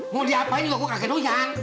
mau diapain kok aku kaget doyan